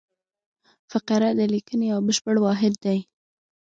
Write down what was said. فقره د لیکني یو بشپړ واحد دئ.